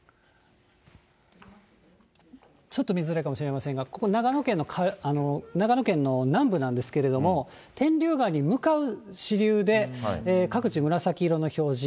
ちょっと見づらいかもしれませんが、ここ、長野県の南部なんですけれども、天竜川に向かう支流で、各地、紫色の表示。